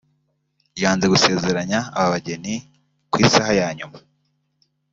ryanze gusezeranya aba bageni ku isaha ya nyuma